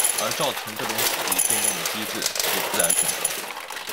而造成这种比例变动的机制是自然选择。